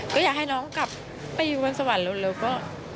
ก็อยากให้น้องกลับไปอยู่บนสวรรค์เร็วก็